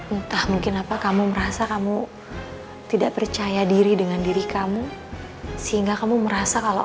entah mungkin apa kamu merasa kamu tidak percaya diri dengan diri kamu sehingga kamu merasa kalau